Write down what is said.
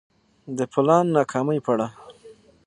د پلان ناکامي په اړه